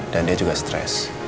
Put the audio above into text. dan dia juga setuju dengan kamu ya